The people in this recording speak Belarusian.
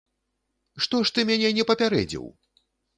Што ж ты мяне не папярэдзіў?!